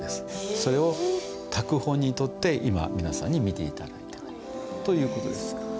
それを拓本に採って今皆さんに見て頂いているという事です。